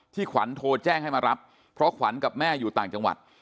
ขวัญโทรแจ้งให้มารับเพราะขวัญกับแม่อยู่ต่างจังหวัด